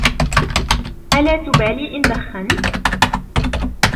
ألا تبالي إن دخنت؟